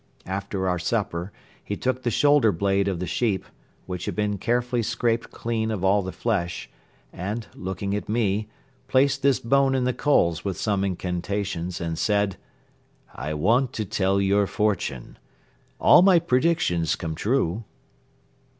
After our supper he took the shoulder blade of the sheep, which had been carefully scraped clean of all the flesh, and, looking at me, placed this bone in the coals with some incantations and said: "I want to tell your fortune. All my predictions come true."